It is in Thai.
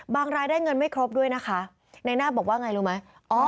รายได้เงินไม่ครบด้วยนะคะในนาบบอกว่าไงรู้ไหม